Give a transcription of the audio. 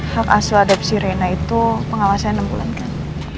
hak asal adepsi reina itu pengawasannya enam bulan kan